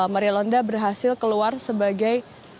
mari londa berhasil keluar sebagai